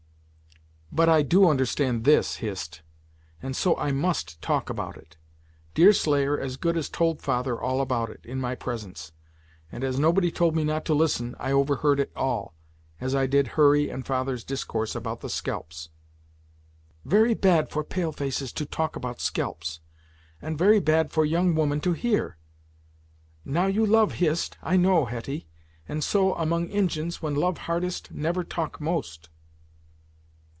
"But I do understand this, Hist, and so I must talk about it. Deerslayer as good as told father all about it, in my presence, and as nobody told me not to listen, I overheard it all, as I did Hurry and father's discourse about the scalps." "Very bad for pale faces to talk about scalps, and very bad for young woman to hear! Now you love Hist, I know, Hetty, and so, among Injins, when love hardest never talk most."